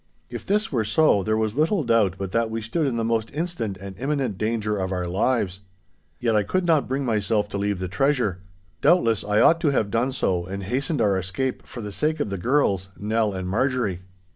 If this were so, there was little doubt but that we stood in the most instant and imminent danger of our lives. Yet I could not bring myself to leave the treasure. Doubtless I ought to have done so, and hastened our escape for the sake of the girls, Nell and Marjorie.